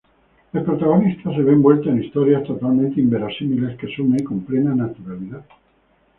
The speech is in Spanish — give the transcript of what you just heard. El protagonista se ve envuelto en historias totalmente inverosímiles que asume con plena naturalidad.